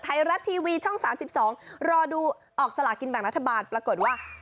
ไทยรัฐทีวีช่อง๓๒รอดูออกสลากินแบ่งรัฐบาลปรากฏว่า